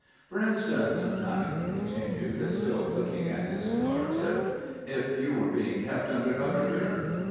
"For instance," Lanagan continued, still flicking at his cigar tip, "if you were being kept under cover here?"